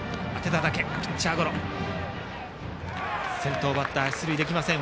先頭バッター出塁できません。